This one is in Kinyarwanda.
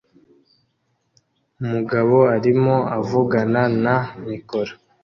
Umugabo arimo avugana na mikoro